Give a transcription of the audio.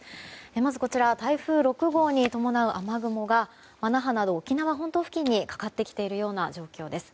まず、台風６号に伴う雨雲が那覇など沖縄本島付近にかかってきているような状況です。